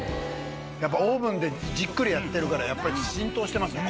やっぱオーブンでじっくりやってるから浸透してますね